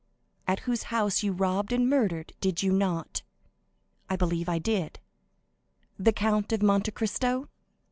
"At whose house you robbed and murdered, did you not?" "I believe I did." "The Count of Monte Cristo?"